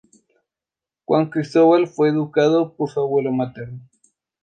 Juan Cristóbal fue educado por su abuelo materno.